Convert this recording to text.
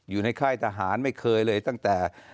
อยู่ในค่ายทหารไม่เคยเลยตั้งแต่